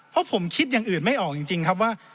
เพราะผมคิดอย่างอื่นไม่ออกจริงครับว่า